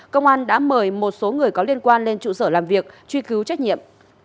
công an đã mời một số người có liên quan lên trụ sở làm việc truy cứu trách nhiệm